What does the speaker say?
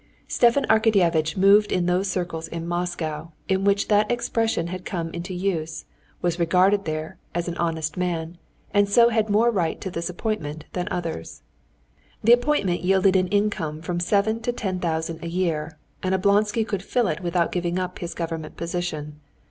Stepan Arkadyevitch moved in those circles in Moscow in which that expression had come into use, was regarded there as an honest man, and so had more right to this appointment than others. The appointment yielded an income of from seven to ten thousand a year, and Oblonsky could fill it without giving up his government position.